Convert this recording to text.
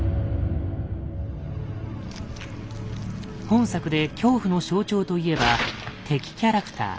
本作で恐怖の象徴といえば「敵キャラクター」。